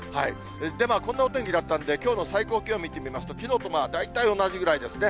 こんなお天気だったんで、きょうの最高気温見てみますと、きのうと大体同じぐらいですね。